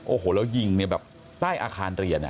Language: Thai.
โอ้โหแล้วยิงใต้อาคารเรียน